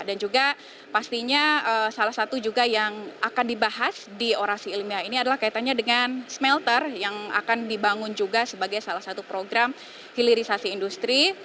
dan juga pastinya salah satu juga yang akan dibahas di orasi ilmiah ini adalah kaitannya dengan smelter yang akan dibangun juga sebagai salah satu program hilirisasi industri